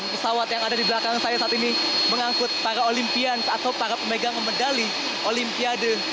pesawat yang ada di belakang saya saat ini mengangkut para olimpian atau para pemegang medali olimpiade